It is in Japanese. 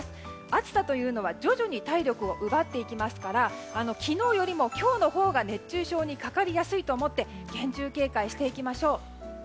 暑さというのは徐々に体力を奪っていきますから昨日よりも今日のほうが熱中症にかかりやすいと思って厳重警戒しましょう。